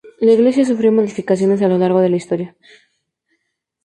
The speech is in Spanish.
La iglesia sufrió varias modificaciones a lo largo de la historia.